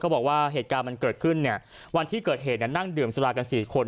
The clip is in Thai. บอกว่าเหตุการณ์มันเกิดขึ้นเนี่ยวันที่เกิดเหตุนั่งดื่มสุรากัน๔คน